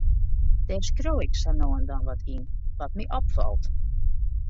Dêr skriuw ik sa no en dan wat yn, wat my opfalt.